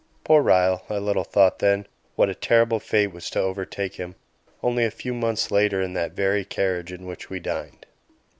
Poor Ryall! I little thought then what a terrible fate was to overtake him only a few months later in that very carriage in which we dined.